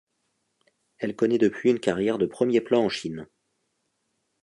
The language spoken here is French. Elle connaît depuis une carrière de premier plan en Chine.